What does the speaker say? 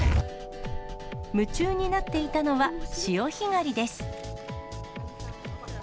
夢中になっていたのは、潮干狩りです。